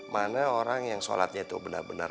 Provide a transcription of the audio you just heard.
mana orang yang sholatnya tuh bener bener